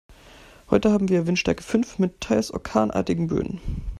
Heute haben wir Windstärke fünf mit teils orkanartigen Böen.